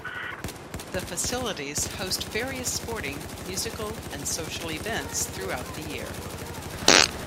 The facilities host various sporting, musical and social events throughout the year.